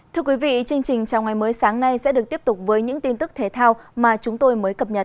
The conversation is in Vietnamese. thưa quý vị chương trình chào ngày mới sáng nay sẽ được tiếp tục với những tin tức thể thao mà chúng tôi mới cập nhật